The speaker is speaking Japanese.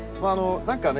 何かね